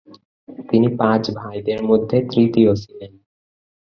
তিনি পাঁচ ভাইদের মধ্যে তৃতীয় ছিলেন।